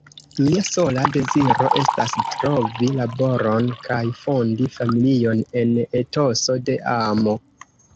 Mia sola deziro estas trovi laboron kaj fondi familion en etoso de amo.